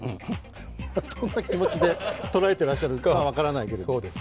どんな気持ちで捉えてらっしゃるかは分からないけど。